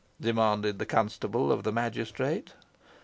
demanded the constable of the magistrate.